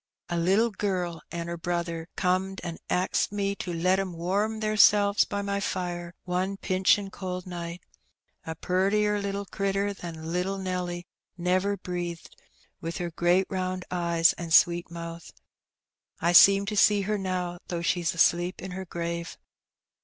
A little girl an' her brother comed an' axed me to let 'em warm theirselves by my fire one pinchin' cold night. A purtier little critter than little Nelly never breathed, wi* her great round eyes an' sweet mouth. I An Bspbeimbnt. 179 seem to aee her now, thoDgh she's asleep in her grave.